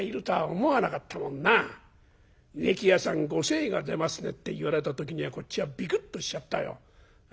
『植木屋さんご精が出ますね』って言われた時にはこっちはビクッとしちゃったよ。